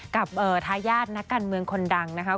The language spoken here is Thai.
กับทาญาตินักการเมืองค้นดัง